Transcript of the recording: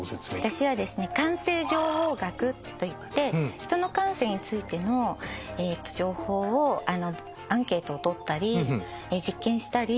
私はですね感性情報学といって人の感性についての情報をアンケートを取ったり実験したり。